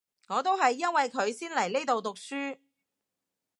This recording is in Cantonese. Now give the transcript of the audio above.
我都係因為佢先嚟呢度讀書